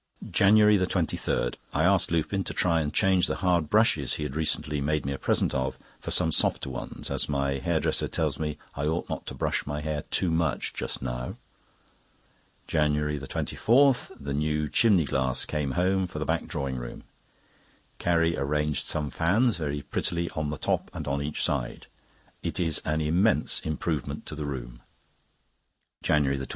JANUARY 23.—I asked Lupin to try and change the hard brushes, he recently made me a present of, for some softer ones, as my hair dresser tells me I ought not to brush my hair too much just now. JANUARY 24.—The new chimney glass came home for the back drawing room. Carrie arranged some fans very prettily on the top and on each side. It is an immense improvement to the room. JANUARY 25.